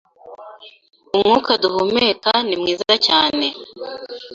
umwuka duhumeka ni mwiza cyane